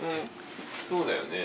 そうだよね。